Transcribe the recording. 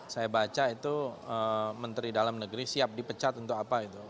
saya baca itu menteri dalam negeri siap dipecat untuk apa itu